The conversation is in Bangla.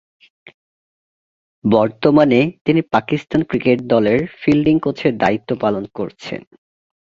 বর্তমানে তিনি পাকিস্তান ক্রিকেট দলের ফিল্ডিং কোচের দায়িত্ব পালন করছেন।